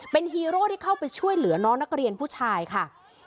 เป็นฮีโร่ที่เข้าไปช่วยเหลือน้องนักเรียนผู้ชายค่ะ